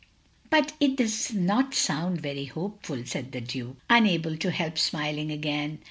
"But it does not sotmd very hopeful," said the Duke, unable to help smiling again.